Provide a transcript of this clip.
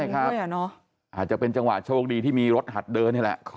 ใช่ครับอาจจะเป็นจังหวะโชคดีที่มีรถหัดเดินนี่แหละ